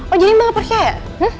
oh jadi mbak gak percaya